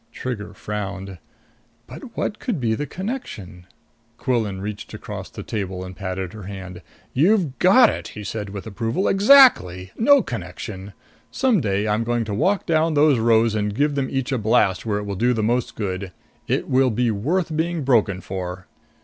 Trigger frowned. "But what could be the connection " Quillan reached across the table and patted her hand. "You've got it!" he said with approval. "Exactly! No connection. Some day I'm going to walk down those rows and give them each a blast where it will do the most good. It will be worth being broken for."